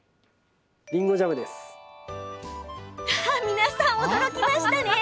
皆さん驚きましたね。